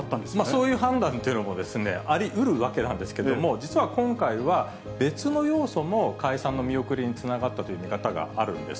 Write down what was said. そういう判断というのもありうるわけなんですけれども、実は今回は、別の要素も解散の見送りにつながったという見方があるんです。